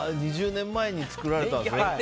２０年前に作られたんですね。